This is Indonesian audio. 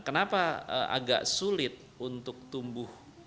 kenapa agak sulit untuk tumbuh